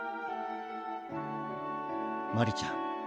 マリちゃん